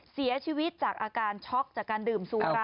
เสียชีวิตจากอาการช็อกจากการดื่มสุรา